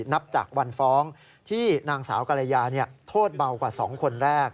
นับจากวันฟ้องที่นางสาวกรยาโทษเบากว่า๒คนแรก